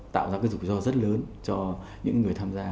tạo ra cái rủi ro rất lớn cho những người tham gia